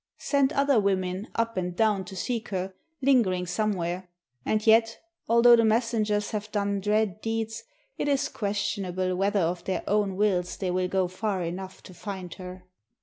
Send other women up and down to seek her, lingering somewhere; and yet, although the messengers have done dread deeds, it is questionable whether of their own wills they will go far enough to find her!